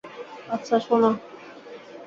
আচ্ছা, শোনো।